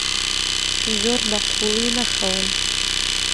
زۆر بەقووڵی مەخەون.